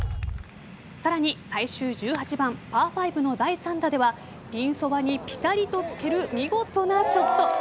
さらに最終１８番パー５の第３打ではピンそばにぴたりとつける見事なショット。